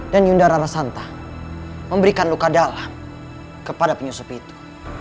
dan yunda rarasanta memberikan luka dalam kepada penyusup itu